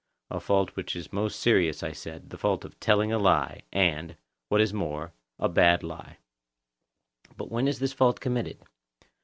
A fault which is most serious, I said; the fault of telling a lie, and, what is more, a bad lie. But when is this fault committed?